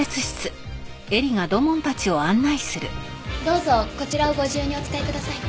どうぞこちらをご自由にお使いください。